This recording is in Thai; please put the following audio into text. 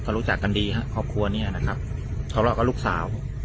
เขารู้จักกันดีค่ะครอบครัวเนี่ยนะครับเพราะเราก็ลูกสาว